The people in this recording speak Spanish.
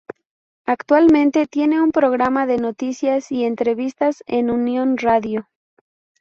Actualmente tiene un programa de noticias y entrevistas en Unión Radio.